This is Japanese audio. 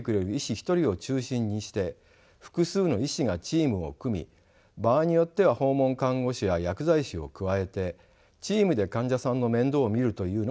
一人を中心にして複数の医師がチームを組み場合によっては訪問看護師や薬剤師を加えてチームで患者さんの面倒を見るというのが現実的です。